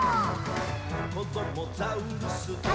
「こどもザウルス